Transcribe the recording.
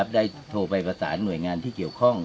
ได้โทรไปประสานหน่วยงานที่เกี่ยวข้อง